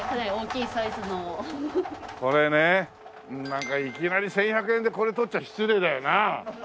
なんかいきなり１１００円でこれ取っちゃ失礼だよな。